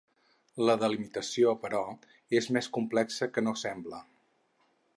La delimitació, però, és més complexa que no sembla.